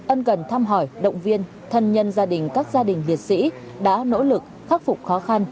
ân cần thăm hỏi động viên thân nhân gia đình các gia đình liệt sĩ đã nỗ lực khắc phục khó khăn